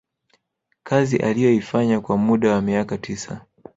kazi aliyoifanya kwa muda wa miaka tisa